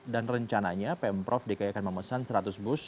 dan rencananya pemprov dki akan memesan seratus bus